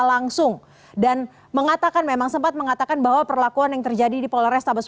langsung dan mengatakan memang sempat mengatakan bahwa perlakuan yang terjadi di polrestabes